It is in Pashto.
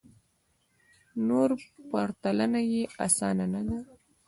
نو پرتلنه یې اسانه نه ده